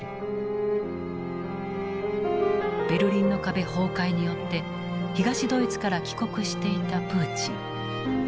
ベルリンの壁崩壊によって東ドイツから帰国していたプーチン。